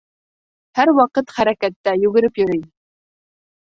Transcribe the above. Һәр ваҡыт хәрәкәттә, йүгереп йөрөй.